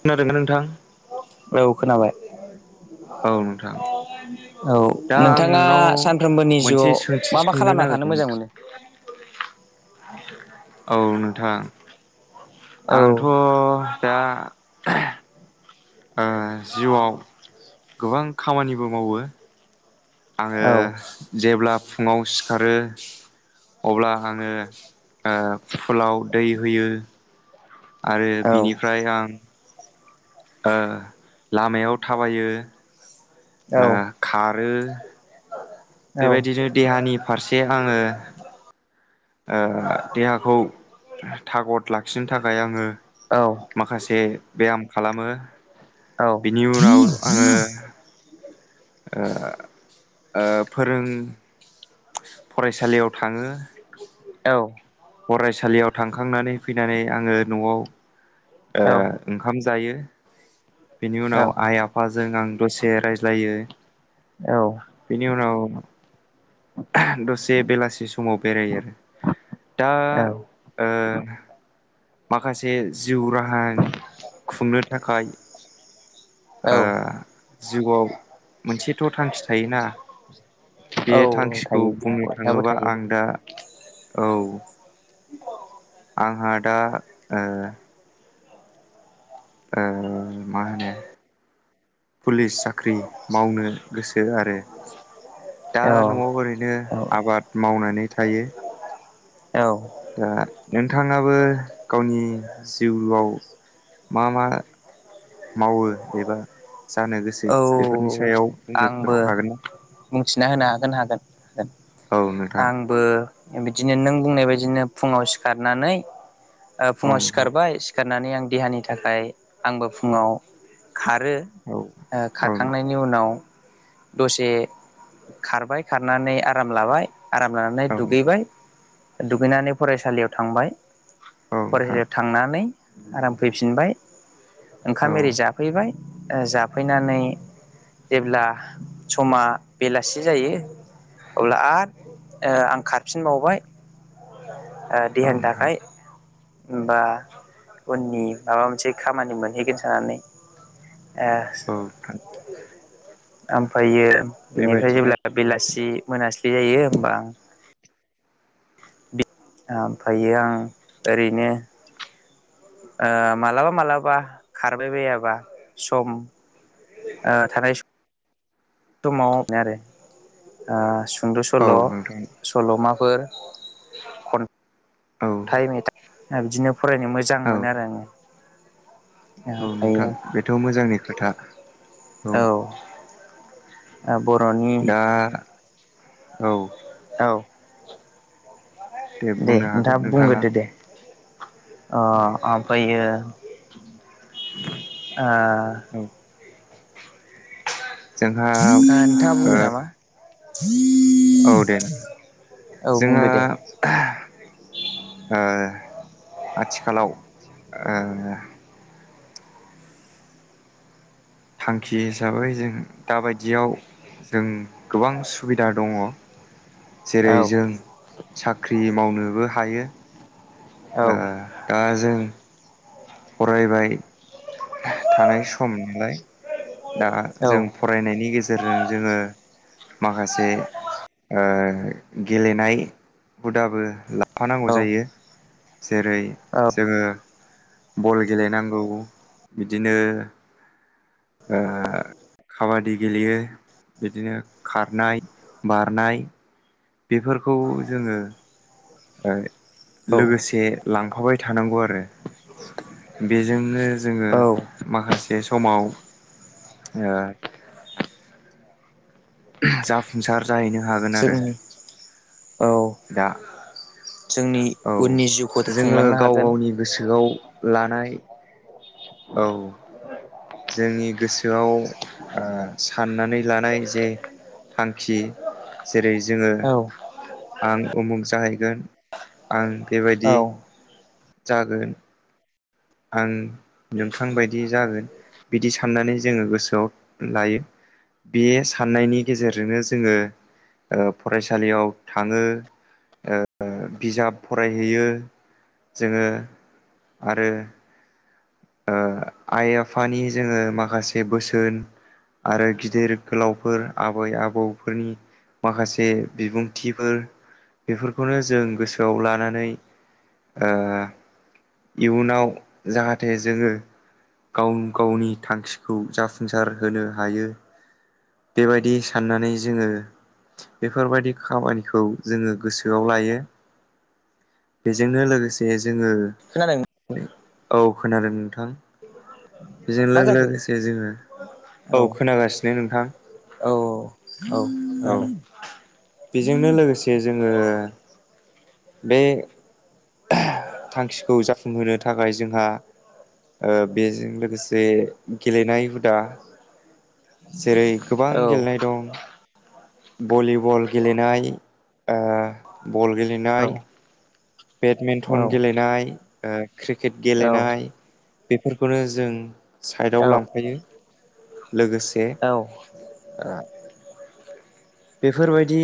खोनादोंमोन नोंथां। औ [unintelligible] [inaudible] औ नोंथां औ दा आं नोंथाङा नोंनाव सानफ्रोमबो नि मोनसे जिउआव सोंथि मा मा सोंनो खालाम ना थानो नागिरदों मोजां मोनो। नोंथां औ नोंथां। औ आंथ' दा ओ जिउआव गोबां खामानिबो मावो औ आङो जेब्ला फुङाव सिखारो अब्ला आङो फुलाव दै होयो आरो औ बिनिफ्राय आं ओ लामायाव थाबायो औ ओह खारो औ बेबायदिनो देहानि फारसे आङो ओ देहाखौ थागद लाखिनो थाखाय आङो औ माखासे बेयाम खालामो औ बिनि उनाव आङो ओ फोरों फरायसालियाव थाङो औ फरायसालियाव थांखांनानै फैनानै आङो न'आव ओंखाम जायो बिनि उनाव आइ- आफाजों आं दसे रायज्लायो बिनि उन दसे बेलासि समाव बेरायो आरो दा ओह माखासे जिउ राहा खुंनो थाखाय औ जिउआव मोनसेथ' थांखि थायोना बे औ थांखिखौ थायो बुंनो बयहाबो थाङोबा थायो आं दा औ औ आंहा दा ओह मा होनो पुलिस साख्रि मावनो गोसो आरो दा औ न'आव ओरैनो औ आबाद मावनानै थायो औ दा नोंथाङाबो गावनि जिउआव मा मा मावो एबा जानो गोसो औ बेफोरनि सायाव बुंनो आंबो हागोन ना बुंथिना होनो हागोन हागोन औ नोंथां आंबो बिदिनो नों बुंनाय बायदिनो फुङाव सिखारनानै औ फुङाव नोंथां सिखारबाय सिखारनानै आं देहानि थाखाय आंबो फुङाव खारो औ औ नोंथां खारखांनायनि उनाव दसे खारबाय खारनानै आराम लाबाय आराम लानानै औ दुगैबाय दुगैनानै फरायसालियाव थांबाय फरायसालियाव थांनानै आराम फैफिनबाय ओंखाम एरि औ जाफैबाय जाफैनानै जेब्ला समा बेलासि जायो अब्ला आरो आं खारफिनबावबाय देहानि नोंथां थाखाय बा उननि माबा मोनसे खामानि मोनहैगोन सनानै ए औ नोंथां ओमफ्रायो बिनिफ्राय बेबायदिनो जेब्ला आरोखि बेलासि मोनासि जायो होमबा ओमफ्रायो आं ओरैनो माब्लाबा - मालाबा खारबाय बायाबा सम आ थानाय समाव आरो सुंद' सल' औ नोंथां सल'मा फोर औ खन्थाइ, मेथाइ बिदिनो फरायनो मोजां औ मोनो आरो आङो औ नोंथां ओमफ्रायो बेथ' मोजांनि खोथा औ बर'नि दा औ दाउ दे नोंथाङा बुंग्रोदो दे दे ओमफ्रायो औ [unintelligible] जोंहा आ नोंथांआ ओ बुंदो नामा औ दे नोंथां औ जोंहा बुंदो दे ओ आथिखालाव ओ थांखि हिसाबै जों दाबायदियाव जों गोबां सुबिदा दङ । जेरै औ जों साख्रि मावनोबो हायो । औ ओ दा जों फरायबाय थानाय सम नालाय । दा जों औ फरायनायनि गेजेरजों जोङो माखासे ओ गेलेनाय हुदाबो लाफानांगौ जायो औ । जेरै जोङो बल गेलेनांगौ । बिदिनो ओ खाबादि गेलेयो बिदिनो खारनाय बारनाय बेफोरखौ जोङो औ लोगोसे लांफाबाय थानांगौ आरो । बेजोंनो जोङो औ माखासे समाव ओ [inaudible] जाफुंसार जाहैनो हागोन आरो जोंनि औ दा जोंनि औ उननि जिउखौ जोङो खुंलांनो गाव हागोन। गावनि गोसोआव लानाय औ । जोंनि गोसोआव ओ साननानै लानाय जे थांखि जेरै जोङो औ आं उमुख जाहैगोन । आं बेबायदि औ जागोन । आं नोंथां बायदि जागोन । बिदि साननानै जोङो गोसोआव लायो । बे साननायनि गेजेरजोंनो जोङो ओ फरायसालियाव थाङो ओ बिजाब फरायहैयो । जोङो आरो ओ आइ आफानि जोङो माखासे बोसोन आरो गिदिर गोलावफोर आबै आबौफोरनि माखासे बिबुंथिफोर बेफोरखौनो जों गोसोआव लानानै ओ इयुनाव जाहाथे जाहाथे जोङो गाव गावनि थांखिखौ जाफुंसार होनो हायो । बेबायदि साननानै जोङो बेफोरबायदि खामानिखौ जोङो गोसोआव लायो । बेजोंनो लोगोसे जोङो खोनादों औ खोनादों नोंथां । बेजों मा जाखो लोगोसे जोङो औ खोनागासिनो नोंथां । औ औ औ खोनादों। बेजोंनो लोगोसे जोङो बे थांखिखौ जाफुंहोनो थाखाय जोंहा ओ बेजों लोगोसे गेलेनाय हुदा जेरै गोबां औ गेलेनाय दं । भलिबल गेलेनाय ओ बल गेलेनाय बेडमिन्टन औ गेलेनाय ओ क्रिकेट गेलेनाय बेफोरखौनो जों औ साइडआव औ लांफायो । लोगोसे औ ओ बेफोरबायदि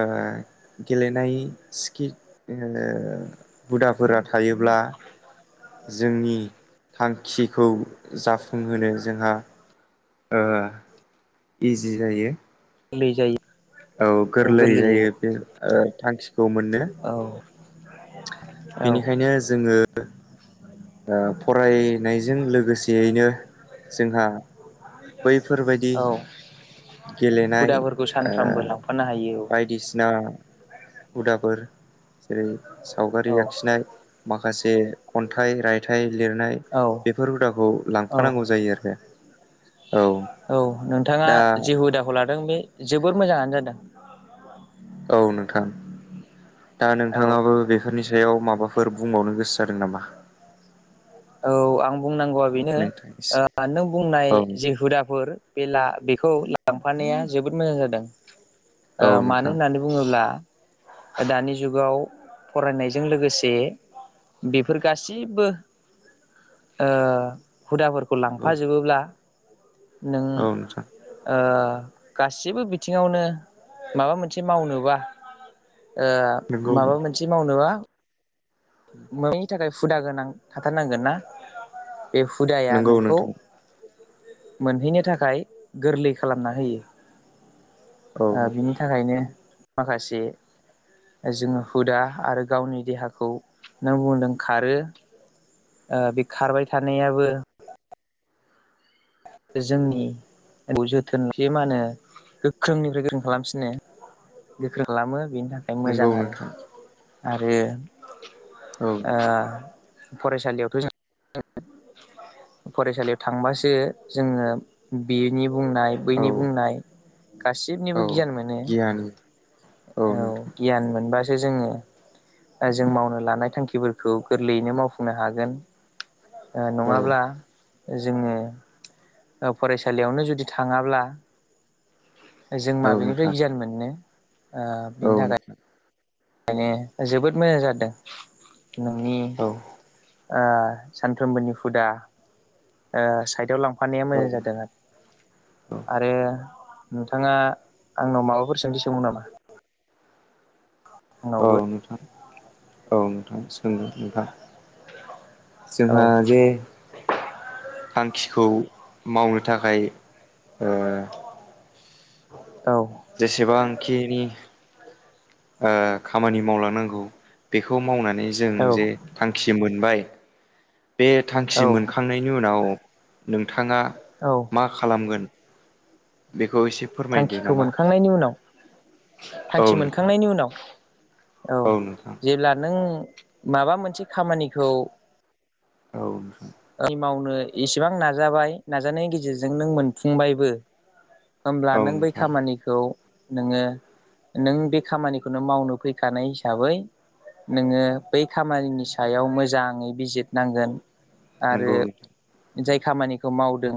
ओ गेलेनाय स्किल ओ हुदाफोरा थायोब्ला जोंनि थांखिखौ जाफुंहोनो जोंहा ओ इजि जायो । गोरलै जायो । औ गोरलै जायो बे ओ थांखिखौ मोननो । [inaudible] औ बेनिखायनो जोङो ओ फरायनायजों लोगोसेयैनो जोंहा बैफोरबायदि औ गेलेनाय हुदाफोरखौ ओ सानफ्रामबो लांफानो हायो बायदिसिना हुदाफोर जेरै सावगारि औ आखिनाय माखासे खन्थाइ रायथाइ लिरनाय औ बेफोर हुदा खौ औ लांफानांगौ जायो आरो औ नोंथाङा दा जे हुदाखौ लादों बे जोबोर मोजाङानो जादों। औ नोंथां दा औ नोंथाङाबो बे फोरनि सायाव माबाफोर बुंबावनो गोसो जादों नामा? औ आं बुंनांगौआ बेनो नोंथांनिसिम? नों बुंनाय औ जे हुदाफोर बे ला बेखौ लांफानाया जोबोद मोजां जादों औ मानो नोंथां होननानै बुङोब्ला दानि जुगाव फरायनायजों लोगोसे बेफोर गाससिबो ओ हुदाफोरखौ नंगौ लांफाजोबोब्ला नों औ नोंथां ओ गासिबो बिथिङावनो माबा मोनसे मावनोबा ओ नंगौ माबा मोनसे मावनोबा मानि थाखाय हुदा गोनां थाथारनांगोन ना? बे हुदाया नंगौ नोंखौ नोंथां मोनहैनो थाखाय गोरलै खालामना होयो। औ ओ बिनि थाखायनो माखासे जोङो हुदा आरो गावनि देहाखौ नों बुंदों खारो ओ बे खारबाय थानायाबो जोंनि जोथोनसे मा होनोक्ष? गोख्रोंनिफ्राय गोख्रों खालामसिनो गोख्रों खालामो । बेनि थाखाय नंगौ मोजां आरो नोंथां आरो औ ओ फरायसालियावथ' जों फरायसालियाव थांबासो जोङो बेनि बुंनाय औ बैनि बुंनाय औ गासिनिबो गियान मोनो। गियानि औ गियान मोनबासो जोङो जों मावनो लानाय थांखि खुथिफोरखौ गोरलैयैनो मावफुंनो हागोन ओ औ नङाब्ला जोङो ओ फरायसालियावनो जुदि थाङाब्ला जों औ माबेनिफ्राय नोंथां गियान मोनो ओ औ बिनि थाखाय । नोंथां खायनो जोबोद मोजां जादों नोंनि औ ओ सानफ्रोमबोनि हुदा साइडआव लांफ फानाया औ मोजां जादों आरो आरो नोंथाङा आंनाव माबाफोर सोंदि सोंबावनो नामा? औ आंनावबो नोंथां औ नोंथां सोंनो नोंथां ‌ औ जोंहा जे थांखिखौ मावनो थाखाय औ जेसेबां आंखिनि खामानि मावलांनांगौ बेखौ मावनानै जों औ जे थांखि खि मोनबाय बे थांखि औ मोनखांनायनि उनाव नों नोंथाङा औ मा खालामगोन बेखौ एसे फोरमायदो थांखिखौ नामा मोनखांनायनि उनाव औ थांखि नोंथां मोनखांनायनि उनाव औ जेब्ला नों माबा मोनसे खामानिखौ औ इ मावनो इसेबां नाजाबाय नाजानायनि गेजेरजों नों मोनफुंबायबो होमब्ला औ नों बै नोंथां खामानिखौ नोङो नों बे खामानिखौनो मावनो फैखानाय हिसाबै नोङो बै खामानिनि सायाव मोजाङै बिजिर नांगोन। नोंगौ। जाय खामानिखौ मावदों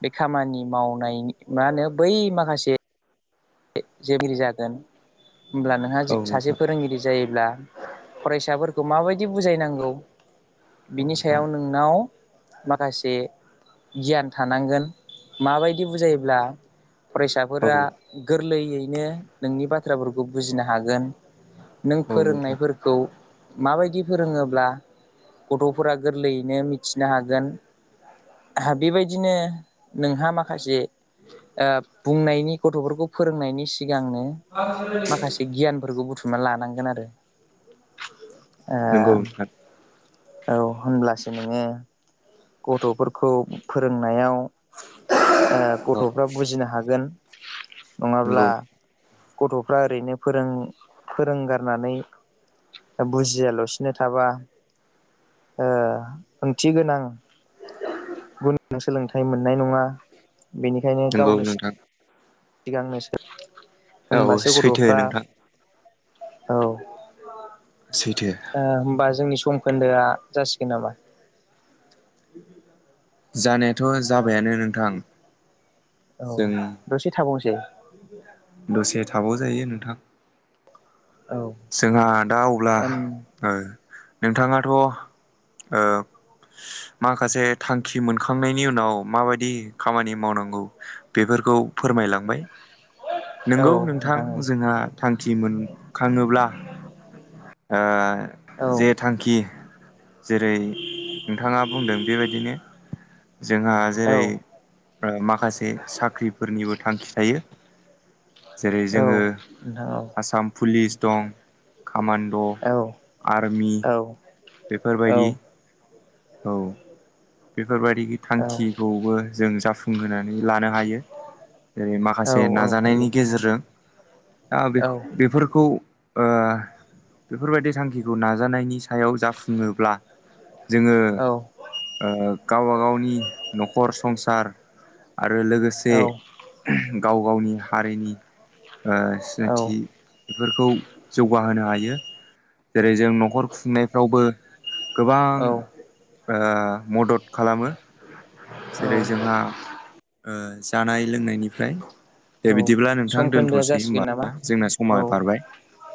बे खामानि मावनाय मा होनो बै माखासे जोबोर जागोन होमब्ला नोंहा औ सासे नोंथां फोरोंगिरि जायो। ब्ला फरायसाफोरखौ माबायदि बुजायनांगौ। औ बिनि नोंथां सायाव नोंनाव माखासे गियान थानांगोन माबायदि बुजायोब्ला औ फरायसाफोरा गोरलैयैनो नोंनि बाथ्राफोरखौ बुजिनो हागोन। नों औ नोंथां फोरोंनायफोरखौ माबायदि फोरोङोब्ला गथ'फोरा गोरलैयैनो मिथिनो हागोन। आ बेबायदिनो नोंहा माखासे बुंनायनि गथ'फोरखौ फोरोंनायनि सिगांनो माखासे गियानफोरखौ बुथुम ना लानांगोन आरो नंगौ नोंथां औ होनब्लासो नोङो गथ'फोरखौ फोरोंनायाव औ गथ'फ्रा बुजिनो हागोन नङाब्ला नंगौ गथ'फ्रा ओरैनो फोरों फोरोंगारनानै बुजियाल'सिनो थाबा ओंथि गोनां। गुन सोलोंथाइ मोननाय नङा। बेनिखायनो नंगौ गावनो नोंथां सिगांनोसो औ होनबासो सैथो गथ'फ्रा नोंथां औ सैथो होमबा जोंनि समखोन्दोआ जासिगोन नामा? जानायाथ' जाबायानो नोंथां। औ जों दसे थाबावनोसै। दसे थाबाव जायो नोंथां। औ जोंहा दा अब्ला ओन नोंथाङाथ' माखासे थांखि मोनखांनायनि उनाव माबायदि खामानि मावनांगौ बेफोर फोरखौ फोरमायलांबाय, नंगौ नोंथां जोंहा थांखि मोनखाङोब्ला औ जे थांखि जेरै नोंथाङा बुंदों बेबायदिनो जोंहा औ जेरै माखासे साख्रिफोरनिबो थांखि थायो। जेरै औ जोङो नोंथां आसाम पुलिस दं खामान। द' औ आर्मि औ बेफोरबायदि । औ बेफोरबायदि औ थांखिखौबो जों जाफुंहोनानै लानो हायो। जेरै माखासे औ हायो नाजानायनि गेजेरजों दा बे औ बेफोरखौ बेफोरबायदि थांखिखौ नाजानायनि सायाव जाफुङोब्ला जोङो औ ओक्षगावबा गावनि न'खर संसार आरो लोगोसे औ गाव गावनि हारिनि ओ औ सिनायथि। बेफोरखौ जौगाहोनो हायो जेरै जों न'खर खुंनायफ्रावबो गोबां ओ मदद खालामो। जेरै औ जोंहा ओ जानाय लोंनायनिफ्राय दे औ बिदिब्ला नोंथां सम खोन्दोआ दोन्थ'सै जासिगोन नामा होनबा जोंना समा औ बारबाय।